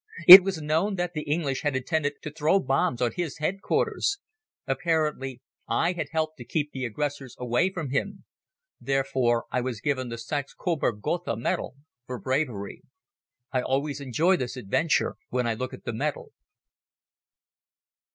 It was known that the English had intended to throw bombs on his headquarters. Apparently I had helped to keep the aggressors away from him. Therefore I was given the Saxe Coburg Gotha medal for bravery. I always enjoy this adventure when I look at the medal.